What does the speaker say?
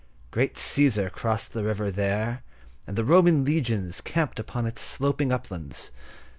Great Cæsar crossed the river there, and the Roman legions camped upon its sloping uplands.